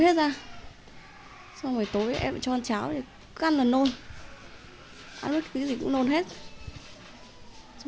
hiện đang có bốn mươi bệnh nhân điều trị tại đây và mỗi ngày vẫn có thêm các ca bệnh mới nhập viện